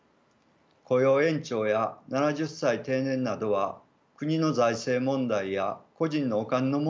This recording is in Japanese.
雇用延長や７０歳定年などは国の財政問題や個人のお金の問題が中心です。